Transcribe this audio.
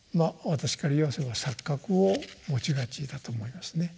私から言わせれば錯覚を持ちがちだと思いますね。